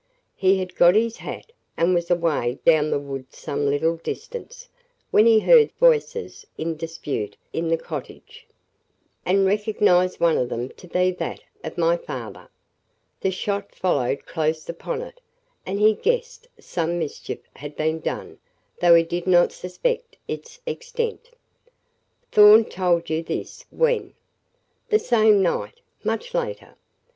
"He had got his hat, and was away down the wood some little distance, when he heard voices in dispute in the cottage, and recognized one of them to be that of my father. The shot followed close upon it, and he guessed some mischief had been done, though he did not suspect its extent." "Thorn told you this when?" "The same night much later."